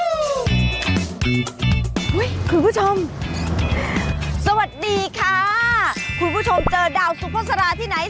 อุ๊ยคุณผู้ชมสวัสดีค่ะคุณผู้ชมเจอดาวซุปเปอร์สาราที่ไหน